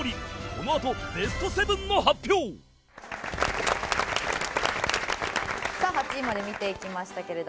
このあとベスト７の発表さあ８位まで見ていきましたけれども。